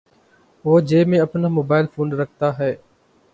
وہ جیب میں اپنا موبائل فون رکھتا ہے۔